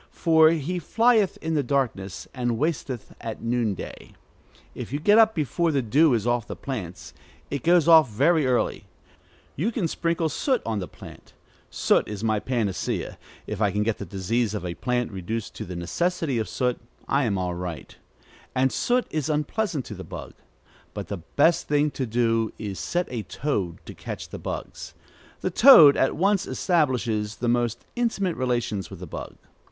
For he flieth in the darkness, and wasteth at noonday. If you get up before the dew is off the plants, it goes off very early, you can sprinkle soot on the plant (soot is my panacea: if I can get the disease of a plant reduced to the necessity of soot, I am all right); and soot is unpleasant to the bug. But the best thing to do is set a toad to catch the bugs. The toad at once establishes the most intimate relations with the bug.